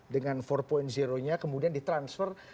dengan empat nya kemudian di transfer